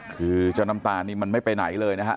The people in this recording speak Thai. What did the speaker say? คือเจ้าน้ำตาลนี่มันไม่ไปไหนเลยนะฮะ